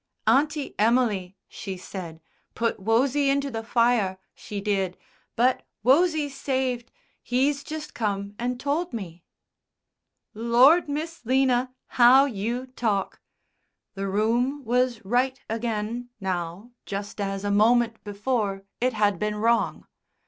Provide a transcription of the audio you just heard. "Auntie Emily," she said, "put Wosie into the fire, she did. But Wosie's saved.... He's just come and told me." "Lord, Miss 'Lina, how you talk!" The room was right again now just as, a moment before, it had been wrong.